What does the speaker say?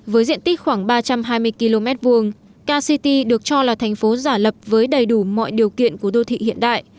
với diện tích khoảng ba trăm hai mươi km hai kct được cho là thành phố giả lập với đầy đủ mọi điều kiện của đô thị hiện đại